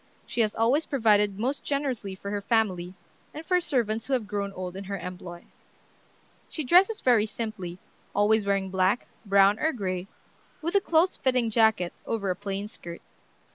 She has always provided most generously for her family, and for servants who have grown old in her employ. She dresses very simply, always wearing black, brown, or gray, with a close fitting jacket over a plain skirt.